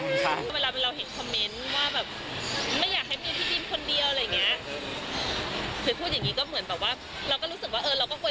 น่ารักมากนะน่ารักกันทั้งคอบครัว